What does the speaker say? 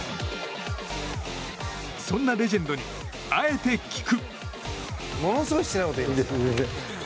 そんなレジェンドにあえて聞く。